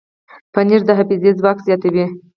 پنېر د حافظې ځواک زیاتوي.